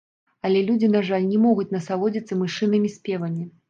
Але людзі, на жаль, не могуць насалодзіцца мышынымі спевамі.